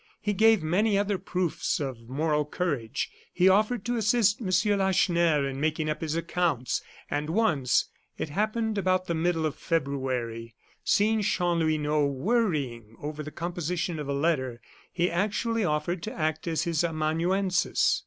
He gave many other proofs of moral courage. He offered to assist M. Lacheneur in making up his accounts; and once it happened about the middle of February seeing Chanlouineau worrying over the composition of a letter, he actually offered to act as his amanuensis.